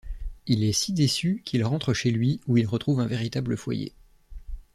Il est si déçu qu'il rentre chez lui où il retrouve un véritable foyer.